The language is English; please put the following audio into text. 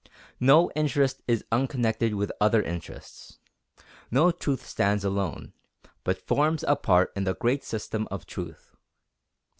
No interest is unconnected with other interests. No truth stands alone, but forms a part in the great system of truth.